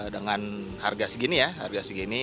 dengan harga segini ya harga segini